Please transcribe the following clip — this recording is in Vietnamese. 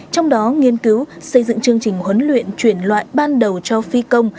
trong đó nghiên cứu xây dựng chương trình huấn luyện chuyển loại ban đầu cho phi công